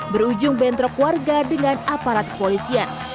berujung bentrok warga dengan aparat kepolisian